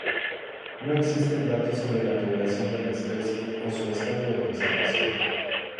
No existen datos sobre la población de la especie, o su estado de conservación.